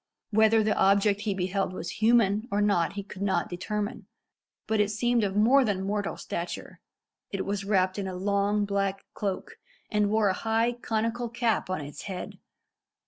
Whether the object he beheld was human or not he could not determine, but it seemed of more than mortal stature. It was wrapped in a long black cloak, and wore a high conical cap on its head.